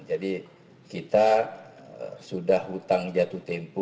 jadi kita sudah hutang jatuh tempuh dua puluh satu